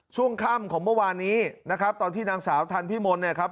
ช่วงค่ำของเมื่อวานนี้นะครับตอนที่นางสาวทันพิมลเนี่ยครับ